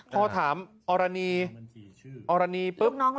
พอถามอรณี